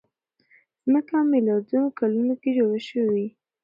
ځمکه ميلياردونو کلونو کې جوړه شوې.